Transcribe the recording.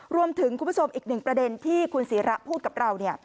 คุณผู้ชมอีกหนึ่งประเด็นที่คุณศิระพูดกับเรา